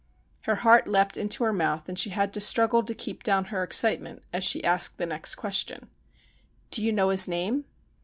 Her heart leapt into her mouth, and she had to struggle to keep down her excitement as she asked the next question :' Do you know his name